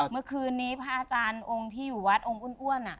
เมื่อคืนนี้พระอาจารย์ที่อยู่วัด